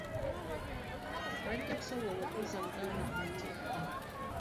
Bajja kusobola okuzza Buganda ku ntikko.